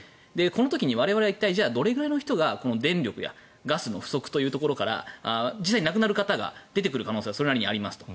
この時に我々は一体どれくらいの人が電力、ガスの不足から実際に亡くなる方が出てくる可能性はそれなりにありますと。